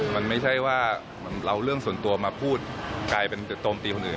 มันไม่ใช่ว่าเอาเรื่องส่วนตัวมาพูดกลายเป็นจะโจมตีคนอื่น